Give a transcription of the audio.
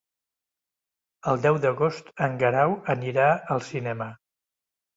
El deu d'agost en Guerau anirà al cinema.